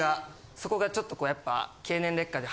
そこがちょっとやっぱ。